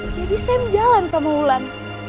jadi sam jalan sama wulan